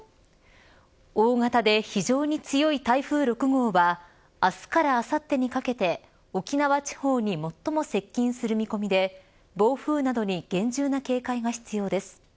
大型で非常に強い台風６号は明日からあさってにかけて沖縄地方に最も接近する見込みで暴風などに厳重な警戒が必要です。